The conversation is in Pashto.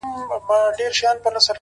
• او هر یو د خپل فکر او نظر خاوند دی -